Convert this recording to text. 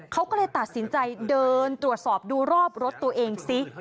เขาก็เลยตัดสินใจเดินตรวจสอบดูรอบรถตัวเองซิ